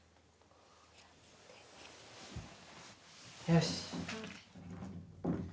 よし。